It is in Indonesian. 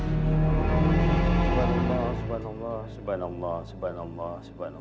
subhanallah subhanallah subhanallah subhanallah subhanallah subhanallah